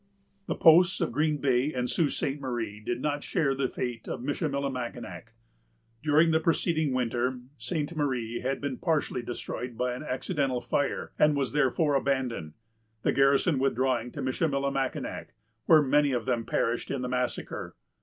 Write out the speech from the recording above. The posts of Green Bay and the Sault Ste. Marie did not share the fate of Michillimackinac. During the preceding winter, Ste. Marie had been partially destroyed by an accidental fire, and was therefore abandoned, the garrison withdrawing to Michillimackinac, where many of them perished in the massacre.